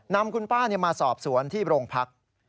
นำคุณป้ามาสอบสวนที่โรงพัก